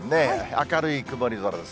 明るい曇り空です。